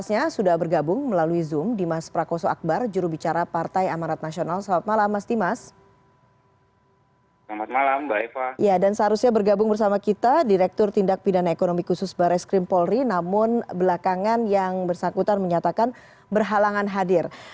ya dan seharusnya bergabung bersama kita direktur tindak pidana ekonomi khusus baris krim polri namun belakangan yang bersangkutan menyatakan berhalangan hadir